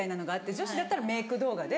女子だったらメーク動画で。